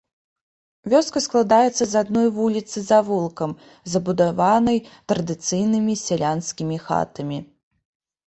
Вёска складаецца з адной вуліцы з завулкам, забудаванай традыцыйнымі сялянскімі хатамі.